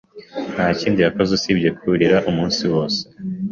Nta kindi yakoze usibye kurira umunsi wose.